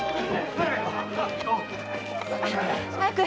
早く！